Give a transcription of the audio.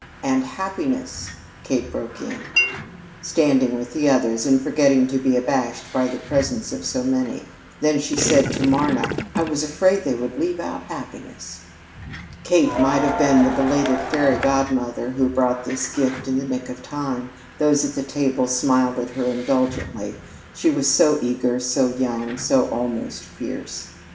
"And happiness," Kate broke in, standing with the others and forgetting to be abashed by the presence of so many. Then she called to Marna: "I was afraid they would leave out happiness." Kate might have been the belated fairy godmother who brought this gift in the nick of time. Those at the table smiled at her indulgently, she was so eager, so young, so almost fierce.